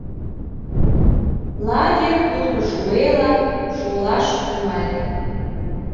Лагерь куткышуэла шолаш тӱҥале.